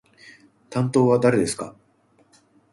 担当は誰ですか？